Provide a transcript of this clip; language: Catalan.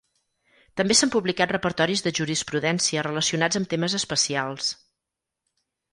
També s'han publicat repertoris de jurisprudència relacionats amb temes especials.